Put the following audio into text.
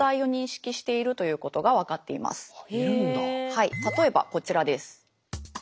はい例えばこちらです。